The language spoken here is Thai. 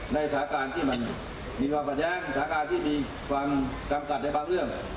สถานการณ์ที่มันมีความขัดแย้งสถานการณ์ที่มีความจำกัดในบางเรื่อง